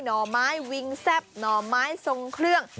ห่อไม้วิงแซ่บหน่อไม้ทรงเครื่อง